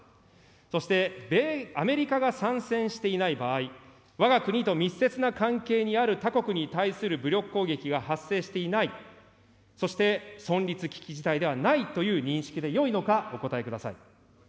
そして、アメリカが参戦していない場合、わが国と密接な関係にある他国に対する武力攻撃が発生していない、そして、存立危機事態ではないという認識でよいのか、お答えください。